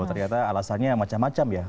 ternyata alasannya macam macam ya